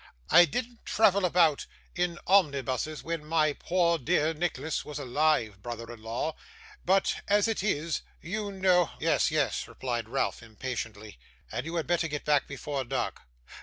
I didn't travel about in omnibuses, when my poor dear Nicholas was alive, brother in law. But as it is, you know ' 'Yes, yes,' replied Ralph impatiently, 'and you had better get back before dark.